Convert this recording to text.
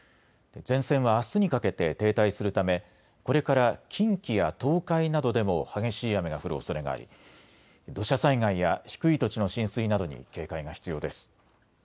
前線はあすにかけて停滞するためこれから近畿や東海などでも激しい雨が降るおそれがあり土砂災害や低い土地の浸水などに警戒が必要です。